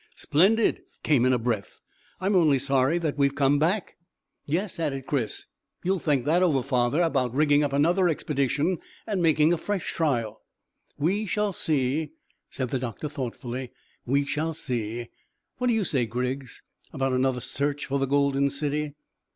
"Splendid!" came in a breath. "I'm only sorry that we've come back." "Yes," added Chris. "You'll think that over, father, about rigging up another expedition and making a fresh trial?" "We shall see," said the doctor thoughtfully; "we shall see. What do you say, Griggs, about another search for the golden city?"